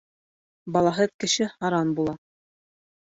Балаһыҙ кеше һаран була.